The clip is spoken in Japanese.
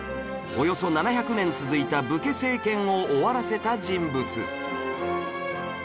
およそ７００年続いた武家政権を終わらせた人物